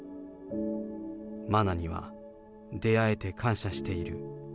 真菜には、出会えて感謝している。